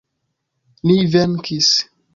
Ni venkis!